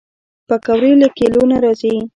پکورې له کلیو نه راځي